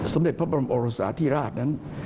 เด็จพระบรมโอรสาธิราชนั้น